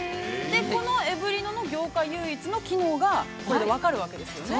◆このエブリノの業界唯一の機能が、これで分かるわけですよね。